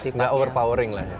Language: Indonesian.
nggak overpowering lah